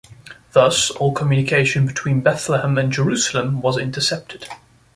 Thus all communication between Bethlehem and Jerusalem was intercepted.